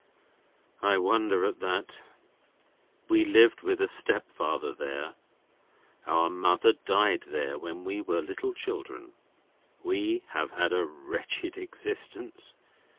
"I wonder at that. We lived with a stepfather there. Our mother died there, when we were little children. We have had a wretched existence.